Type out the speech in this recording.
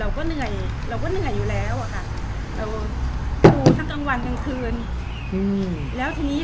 เราก็เหนื่อยเราก็เหนื่อยอยู่แล้วอะค่ะเราดูทั้งกลางวันกลางคืนอืม